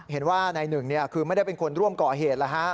เห็นว่านายหนึ่งคือไม่ได้เป็นคนร่วมก่อเหตุแล้วฮะ